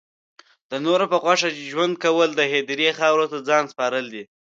د نورو په خوښه ژوند کول د هدیرې خاورو ته ځان سپارل دی